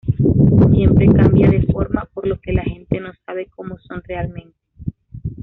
Siempre cambia de forma, por lo que la gente no sabe como son realmente.